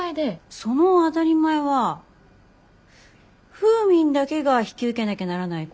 その当たり前はフーミンだけが引き受けなきゃならないことなのかな。